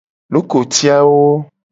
Lokoti awo.